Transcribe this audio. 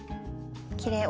きれい。